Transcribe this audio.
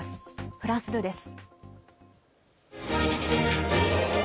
フランス２です。